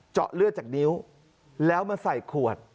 เจาะเลือดจากนิ้วแล้วมาใส่ขวด